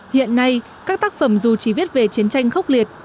hiện nay các tác phẩm dù chỉ viết về chiến tranh khốc liệt